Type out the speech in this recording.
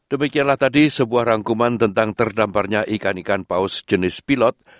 demikianlah tadi sebuah rangkuman tentang terdamparnya ikan ikan paus jenis pilot